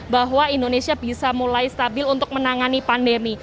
bahwa indonesia bisa mulai stabil untuk menangani pandemi